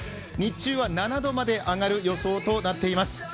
日中は７度まで上がる予想となっています。